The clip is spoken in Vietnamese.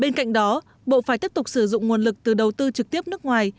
bên cạnh đó bộ phải tiếp tục sử dụng nguồn lực từ đầu tư trực tiếp nước ngoài